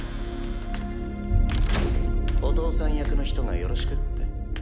お父さん役の人がよろしくって。